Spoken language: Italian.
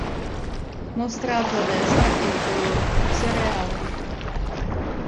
Mostrato a destra è il colore fucsia reale.